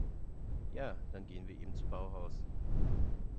Ja, dann gehen wir eben zu Bauhaus.